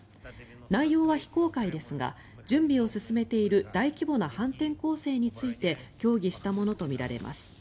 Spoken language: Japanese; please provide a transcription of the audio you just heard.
内容は非公開ですが準備を進めている大規模な反転攻勢について協議したものとみられます。